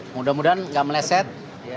mudah mudahan nggak meleset